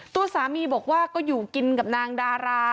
ตัวสามีบอกว่าก็อยู่กินกับนางดารา